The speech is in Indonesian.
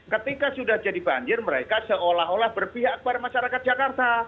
ketika sudah jadi banjir mereka seolah olah berpihak kepada masyarakat jakarta